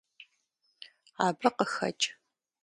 Абы къыхэкӀ.